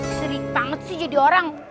sering banget sih jadi orang